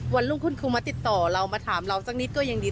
วันรุ่งขึ้นครูมาติดต่อเรามาถามเราสักนิดก็ยังดี